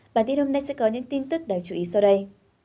bản tin hôm nay sẽ có những tin tức đáng chú ý sau đây